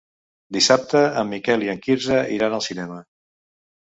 Dissabte en Miquel i en Quirze iran al cinema.